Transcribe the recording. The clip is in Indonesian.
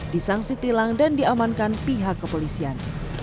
disangsi tilang dan diamankan pihak kepolisian